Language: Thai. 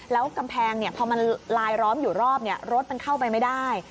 แล้วกำแพงพอมันลายล้อมอยู่รอบรถมันเข้าไปไม่ได้